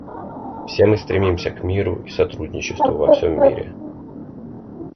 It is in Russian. Все мы стремимся к миру и сотрудничеству во всем мире.